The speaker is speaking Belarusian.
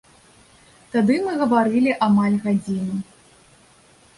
Тады мы гаварылі амаль гадзіну.